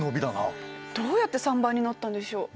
どうやって３倍になったんでしょう？